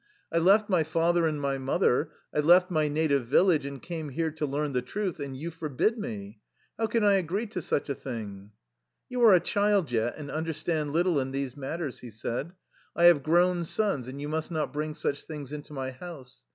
"I left my father and my mother, I left my native village, and came here to learn the truth and you forbid me. How can I agree to such a thing? "" You are a child yet and understand little in these matters," he said. " I have grown sons, and you must not bring such things into my house.